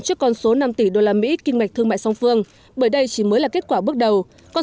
trước con số năm tỷ usd kinh mạch thương mại song phương bởi đây chỉ mới là kết quả bước đầu con